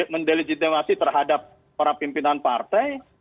mendelegitimasi terhadap para pimpinan partai